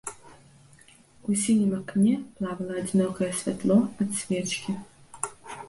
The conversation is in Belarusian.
У сінім акне плавала адзінокае святло ад свечкі.